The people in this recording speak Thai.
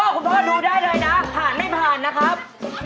คุณพ่อดูได้เลยนะผ่านไม่ผ่านนะครับ